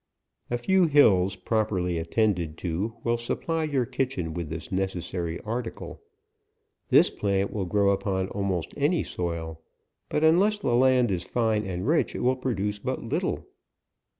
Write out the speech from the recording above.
A few hills, properly attended to, will sup* ply your kitchen with this necessary article. This plant will grow upon almost any soil, but unless the land is fine and rich, it will produce but little.